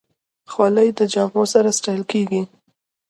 خولۍ د جامو سره ستایل کېږي.